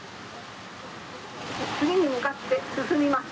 次に向かって進みます